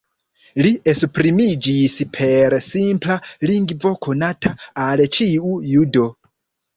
Li esprimiĝis per simpla lingvo, konata al ĉiu judo.